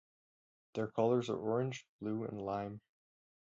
Their colours are orange, blue and lime.